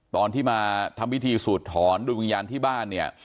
ตอนที่มาทำพิธีสูดถอนโดยวิญญาณที่บ้านเนี่ย